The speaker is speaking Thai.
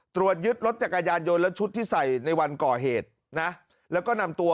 ตรวจยึดรถจักรยานยนต์และชุดที่ใส่ในวันก่อเหตุนะแล้วก็นำตัว